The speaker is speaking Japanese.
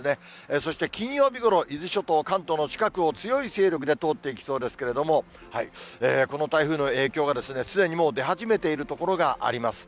そして金曜日ごろ、伊豆諸島、関東の近くを強い勢力で通っていきそうですけれども、この台風の影響がすでにもう出始めている所があります。